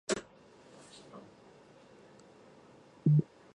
洛根镇区为美国堪萨斯州林肯县辖下的镇区。